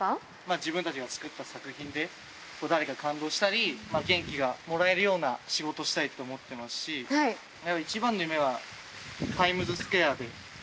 自分たちが作った作品で、誰かが感動したり、元気がもらえるような仕事したいと思ってますし、やっぱり一番の夢は、タイムズスクエア。